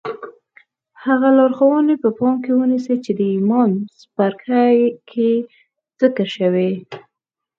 هغه لارښوونې په پام کې ونيسئ چې د ايمان په څپرکي کې ذکر شوې.